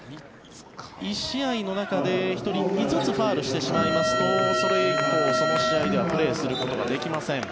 １試合の中で１人５つファウルしてしまいますとそれ以降、その試合ではプレーすることができません。